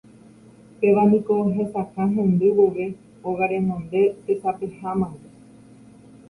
Péva niko hesakã hendy vove óga renonde tesapehámante.